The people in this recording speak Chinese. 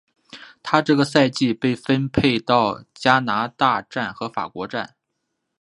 她这个赛季被分配到加拿大站和法国站。